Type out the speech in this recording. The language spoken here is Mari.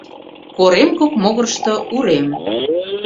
Корем кок могырышто урем.